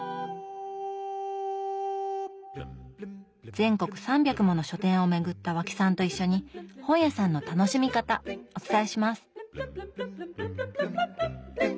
全国３００もの書店を巡った和氣さんと一緒に本屋さんの楽しみ方お伝えします！